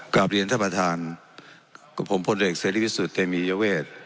กลับเรียนท่านประธานกับผมพลเอกเสรีพิสุทธิเตมียเวท